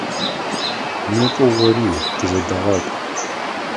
Некӏо ори, тызэдэгъакӏу!